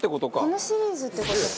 このシリーズって事か。